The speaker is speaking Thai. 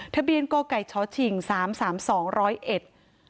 ทะเบียนก่อไก่ชชิงสามสามสองร้อยเอ็ด